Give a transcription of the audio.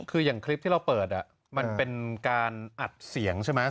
คืออย่างคลิปที่เราเปิดมันเป็นการอัดเสียงใช่ไหม